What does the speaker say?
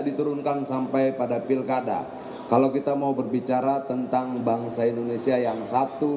diturunkan sampai pada pilkada kalau kita mau berbicara tentang bangsa indonesia yang satu